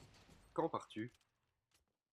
Quand pars-tu ?